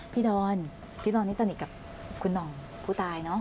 ดอนพี่ดอนนี่สนิทกับคุณหน่องผู้ตายเนอะ